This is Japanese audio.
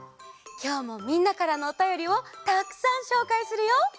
きょうもみんなからのおたよりをたくさんしょうかいするよ。